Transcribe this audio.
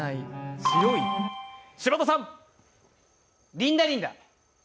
「リンダリンダ」。